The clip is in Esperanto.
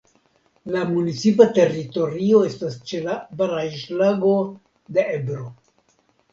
La municipa teritorio estas ĉe la Baraĵlago de Ebro.